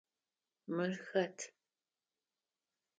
Мыр хэт?